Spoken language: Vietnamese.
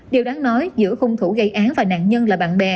điều đáng nói giữa hung thủ gây án và nạn nhân là bạn bè